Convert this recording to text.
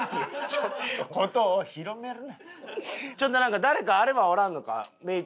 ちょっとなんか誰かあれはおらんのか？